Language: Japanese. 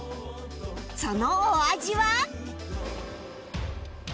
そのお味は？